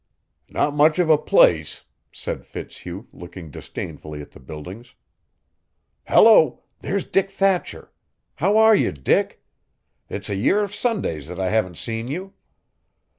"Not much of a place," said Fitzhugh, looking disdainfully at the buildings. "Hello! Here's Dick Thatcher. How are you, Dick? It's a year of Sundays that I haven't seen you.